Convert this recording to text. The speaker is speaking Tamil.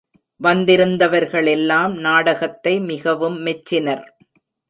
வந்திருந்தவர்களெல்லாம் நாடகத்தை மிகவும் மெச்சினர்.